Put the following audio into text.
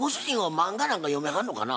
漫画なんか読みはんのかな？